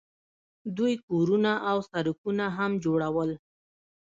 دوی کورونه او سړکونه هم جوړول.